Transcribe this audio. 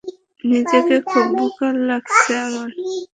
নিজেকে খুবই বোকা লাগছে আমার।